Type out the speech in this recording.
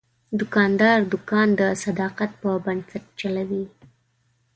دوکاندار دوکان د صداقت په بنسټ چلوي.